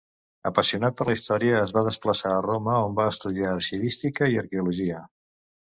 Apassionat per la història, es va desplaçar a Roma, on va estudiar arxivística i arqueologia.